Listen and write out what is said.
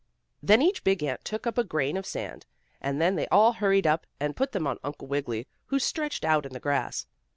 Then each big ant took up a grain of sand, and then they all hurried up, and put them on Uncle Wiggily, who stretched out in the grass.